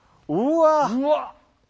うわ！